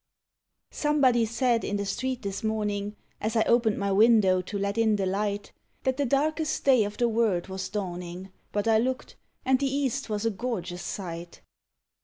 Somebody said, in the street this morning, As I opened my window to let in the light, That the darkest day of the world was dawning; But I looked, and the East was a gorgeous sight.